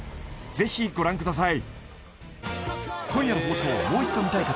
ぜひご覧ください